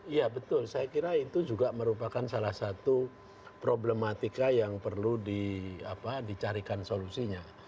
iya betul saya kira itu juga merupakan salah satu problematika yang perlu dicarikan solusinya